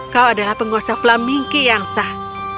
kau adalah penguasa flamingki yang sah